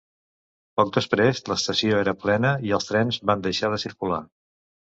Poc després, l’estació era plena i els trens van deixar de circular.